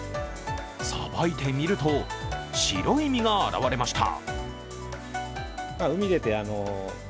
さばいてみると、白い身が現れました。